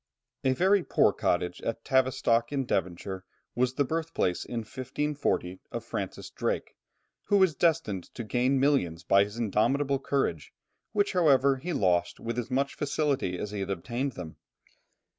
A very poor cottage at Tavistock in Devonshire was the birthplace in 1540, of Francis Drake, who was destined to gain millions by his indomitable courage, which however, he lost with as much facility as he had obtained them.